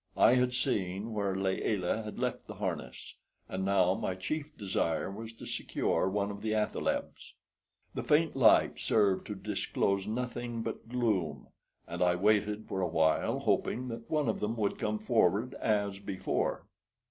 I had seen where Layelah had left the harness, and now my chief desire was to secure one of the athalebs. The faint light served to disclose nothing but gloom; and I waited for a while, hoping that one of them would come forward as before.